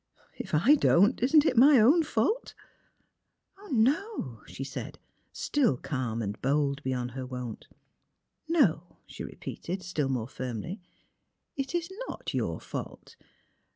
If I don't, isn't it my own fanlt? "" No," she said, still calm and bold beyond Her wont. '' No, '' she repeated, still more firmly ;" it is not your fault.